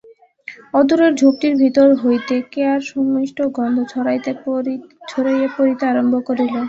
অদূরের ঝোপটির ভিতর হইতে কেয়ার সুমিষ্ট গন্ধ ছড়াইয়া পড়িতে আরম্ভ করিল।